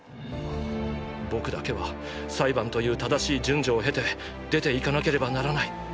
僕だけは裁判という正しい順序を経て出ていかなければならない！！